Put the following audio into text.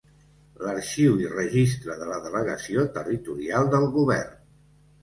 L'arxiu i registre de la delegació territorial del Govern.